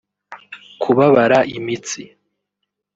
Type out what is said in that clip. kubabara imitsi